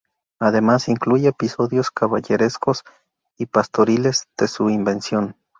Además incluye episodios caballerescos y pastoriles de su invención.